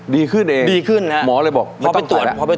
ดีขึ้นเองหมอเลยบอกไม่ต้องซ่อนแล้ว